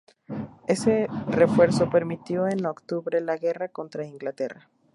Ese refuerzo permitió en octubre la guerra contra Inglaterra.